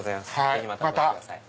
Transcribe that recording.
ぜひまたお越しください。